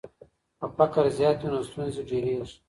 که فقر زیات وي نو ستونزې ډېریږي.